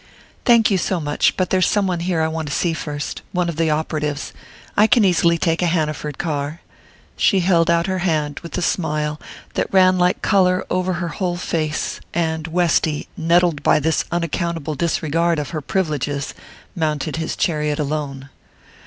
"Thank you so much; but there's some one here I want to see first one of the operatives and I can easily take a Hanaford car." She held out her hand with the smile that ran like colour over her whole face; and Westy, nettled by this unaccountable disregard of her privileges, mounted his chariot alone.